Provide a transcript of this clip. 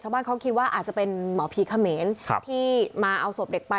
บ้านเขาคิดว่าอาจจะเป็นหมอผีเขมรที่มาเอาศพเด็กไป